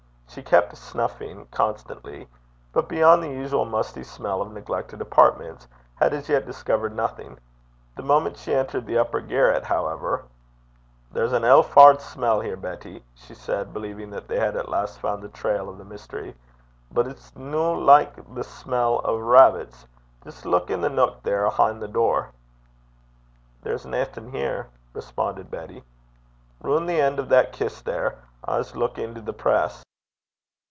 She kept snuffing constantly, but, beyond the usual musty smell of neglected apartments, had as yet discovered nothing. The moment she entered the upper garret, however 'There's an ill faured smell here, Betty,' she said, believing that they had at last found the trail of the mystery; 'but it's no like the smell o' rabbits. Jist luik i' the nuik there ahin' the door.' 'There's naething here,' responded Betty. 'Roon the en' o' that kist there. I s' luik into the press.'